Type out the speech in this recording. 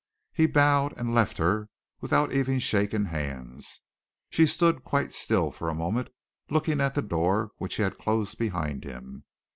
He bowed and left her without even shaking hands. She stood quite still for a moment, looking at the door which he had closed behind him.